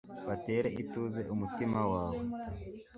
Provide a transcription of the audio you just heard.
batere ituze umutima wawe